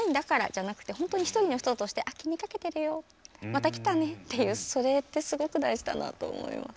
じゃなくて本当に一人の人として気にかけてるよまた来たねっていうそれってすごく大事だなと思います。